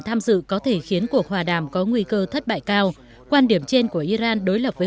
tham dự có thể khiến cuộc hòa đàm có nguy cơ thất bại cao quan điểm trên của iran đối lập với